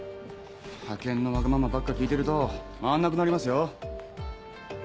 派遣のわがままばっか聞いてると回んなくなりますよ。